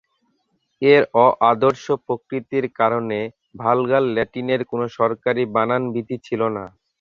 এর অ-আদর্শ প্রকৃতির কারণে, ভালগার ল্যাটিনের কোন সরকারি বানানবিধি ছিল না।